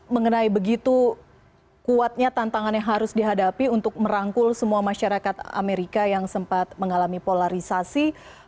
mengenai begitu kuatnya tantangan yang harus dihadapi untuk merangkul semua masyarakat amerika yang sempat mengalami polarisasi